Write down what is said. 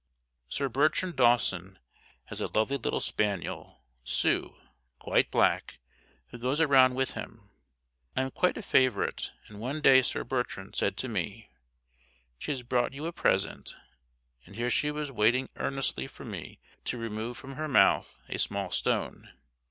Sir Bertrand Dawson has a lovely little spaniel, Sue, quite black, who goes around with him. I am quite a favourite, and one day Sir Bertrand said to me, "She has brought you a present," and here she was waiting earnestly for me to remove from her mouth a small stone.